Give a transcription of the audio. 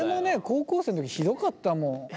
高校生の時ひどかったもん。